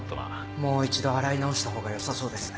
もう一度洗い直したほうがよさそうですね。